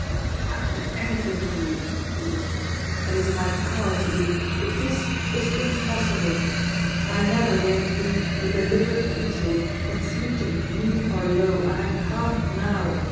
"I will do anything for you," he whispered, "that is in my power to do; but this is impossible. I never yet did, with deliberate forethought, what seemed to me mean or low, and I can't now.